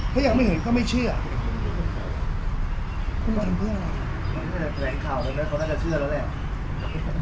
เขายังไม่เห็นก็ไม่เชื่อคุณมันทำเพื่ออะไรแหลงข่าวเลยมั้ย